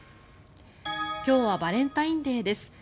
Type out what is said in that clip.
今日はバレンタインデーです。